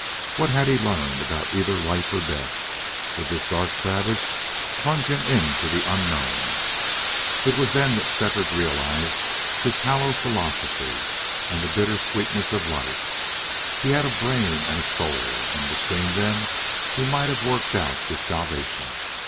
What had he learned about either life or death? Would this dark savage plunge him into the unknown? It was then that Shefford realized his hollow philosophy and the bitter sweetness of life. He had a brain and a soul, and between them he might have worked out his salvation.